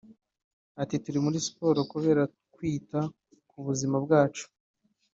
Ati “Turi muri siporo kubera kwita ku buzima bwacu